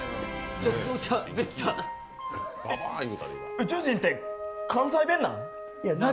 宇宙人って関西弁なん？